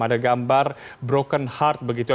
ada gambar broken heart begitu